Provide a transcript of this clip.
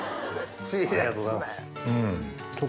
ありがとうございます。